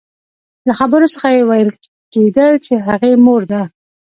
له خبرو څخه يې ويل کېدل چې هغې مور ده.